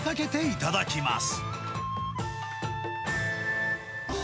いただきます。